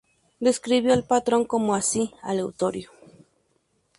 Describió el patrón como casi "aleatorio".